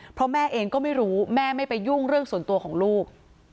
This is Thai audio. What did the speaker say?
เพราะแม่เองก็ไม่รู้แม่ไม่ไปยุ่งเรื่องส่วนตัวของลูก